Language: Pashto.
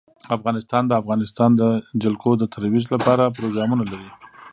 افغانستان د د افغانستان جلکو د ترویج لپاره پروګرامونه لري.